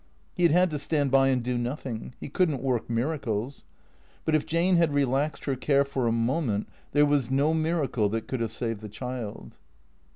He had had to stand by and do nothing. He could n't work miracles. But if Jane had relaxed her care for a moment there was no miracle that could have saved the child.